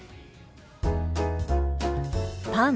「パン」。